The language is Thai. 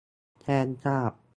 แจ้งทราบ